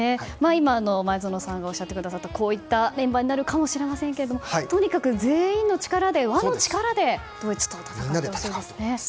今、前園さんがおっしゃってくださったこういったメンバーになるかもしれませんがとにかく全員の輪の力でドイツと闘ってほしいですね。